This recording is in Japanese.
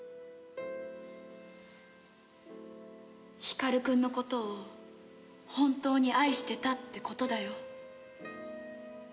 光くんのことを本当に愛してたってことだよ。